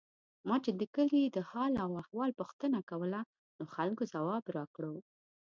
ما چې د کلي د حال او احوال پوښتنه کوله، نو خلکو ځواب راکړو.